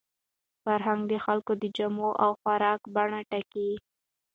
فرهنګ د خلکو د جامو او خوراک بڼه ټاکي.